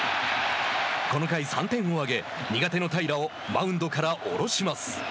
この回、３点を挙げ苦手の平良をマウンドから降ろします。